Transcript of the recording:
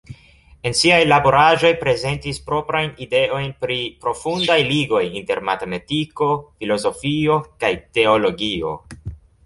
En siaj laboraĵoj prezentis proprajn ideojn pri profundaj ligoj inter matematiko, filozofio kaj teologio.